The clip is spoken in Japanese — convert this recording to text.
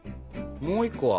もう１個は？